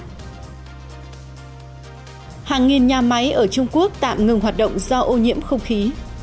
hành khách hàng nghìn nhà máy ở trung quốc tạm ngừng hoạt động do ô nhiễm không khí